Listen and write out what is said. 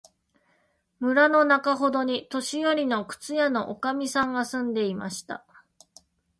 村のなかほどに、年よりの靴屋のおかみさんが住んでいました。